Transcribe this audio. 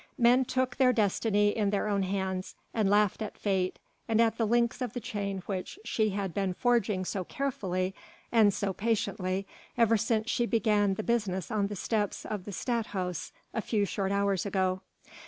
Men took their destiny in their own hands and laughed at Fate and at the links of the chain which she had been forging so carefully and so patiently ever since she began the business on the steps of the Stadhuis a few short hours ago.